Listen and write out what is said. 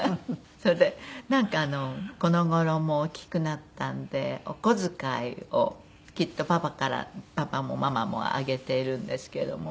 それでなんかこの頃もう大きくなったんでお小遣いをきっとパパからパパもママもあげているんですけども。